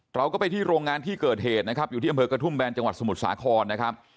เราก็ไปที่โรงงานที่เกิดเหตุนะครับอยู่ที่อำเภอกระทุ่มแบนจังหวัดสมุทรสาครนะครับ